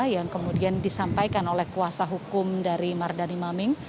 yang kemudian disampaikan oleh kuasa hukum dari mardani maming